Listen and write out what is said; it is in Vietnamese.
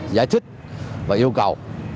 giải thích và yêu cầu